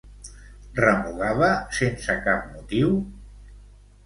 Remugava sense cap motiu?